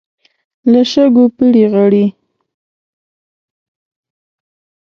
له شګو پړي غړي.